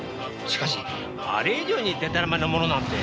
しかしあれ以上にでたらめなものなんて。